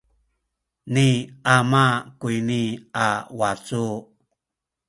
ni ama kuyni a wacu.